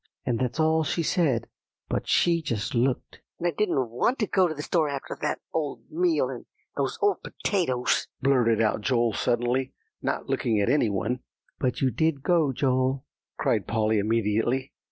And that's all she said, but she just looked." "And I didn't want to go to the store after that old meal and those old potatoes," blurted out Joel suddenly, not looking at any one. "But you did go, Joel," cried Polly immediately.